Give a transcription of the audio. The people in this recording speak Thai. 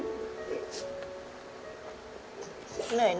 แม่กำลังรุม